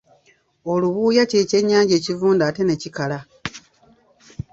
Olubuuya kye ky’ennyanja ekivunda ate ne kikala.